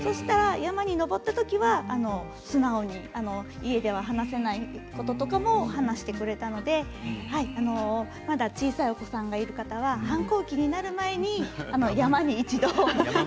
山に登ったときは素直に家で話せないこととかも話してくれたのでまだ小さいお子さんがいる方は反抗期になる前に山に一度。